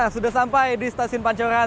sudah sampai di stasiun pancoran